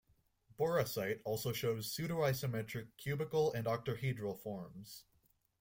Boracite also shows pseudo-isometric cubical and octahedral forms.